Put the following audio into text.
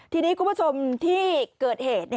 ทีนี้คุณผู้ชมที่เกิดเหตุ